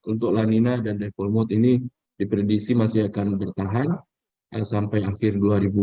untuk lanina dan davel mode ini diprediksi masih akan bertahan sampai akhir dua ribu dua puluh